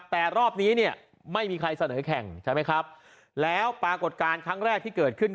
แต่รอบนี้ไม่มีใครเสนอแข่งแล้วปรากฏการณ์ครั้งแรกที่เกิดขึ้น